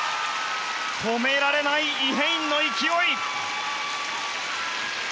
止められないイ・ヘインの勢い。